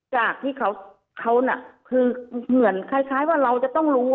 จากที่เขาน่ะคือเหมือนคล้ายว่าเราจะต้องรู้